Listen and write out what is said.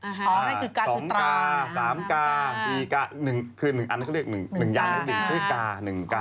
อ๋อนั่นคือการคือตราอ๋อสองการ์สามการ์สี่การ์หนึ่งคือหนึ่งอันก็เรียกหนึ่งหนึ่งยานก็เรียกหนึ่งการ์หนึ่งการ์